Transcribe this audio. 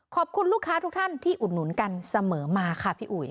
ขอบคุณลูกค้าทุกท่านที่อุดหนุนกันเสมอมาค่ะพี่อุ๋ย